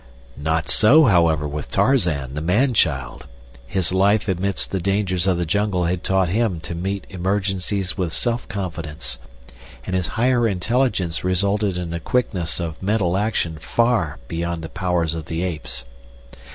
Not so, however, with Tarzan, the man child. His life amidst the dangers of the jungle had taught him to meet emergencies with self confidence, and his higher intelligence resulted in a quickness of mental action far beyond the powers of the apes.